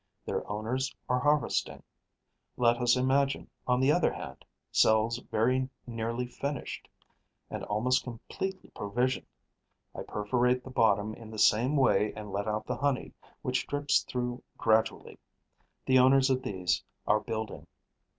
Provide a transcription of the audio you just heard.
Their owners are harvesting. Let us imagine, on the other hand, cells very nearly finished and almost completely provisioned. I perforate the bottom in the same way and let out the honey, which drips through gradually. The owners of these are building.